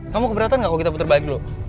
kamu keberatan gak kalau kita putar balik dulu